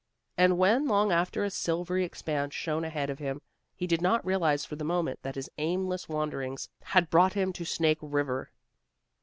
And when long after a silvery expanse shone ahead of him, he did not realize for the moment that his aimless wanderings had brought him to Snake River.